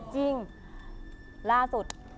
จริงล่าสุด